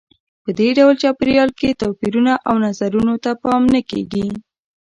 په دې ډول چاپېریال کې توپیرونو او نظرونو ته پام نه کیږي.